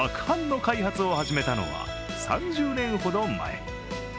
ハンの開発を始めたのは３０年ほど前。